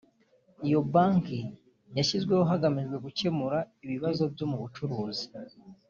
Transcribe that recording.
Iyo Banki yashyizweho hagamijwe gukemura ibibazo byo mu bucuruzi